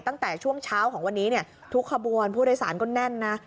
ตั้งแต่ช่วงเช้าของวันนี้เนี่ยทุกขบวนผู้โดยสารก็แน่นนะ